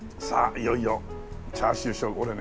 いよいよチャーシュー俺ね